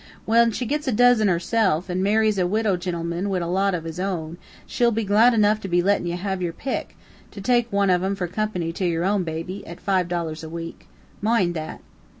When she gits a dozen hersilf, and marries a widow jintleman wid a lot uv his own, she'll be glad enough to be lettin' ye have yer pick, to take wan uv 'em fer coompany to yer own baby, at foive dollars a week. Moind that."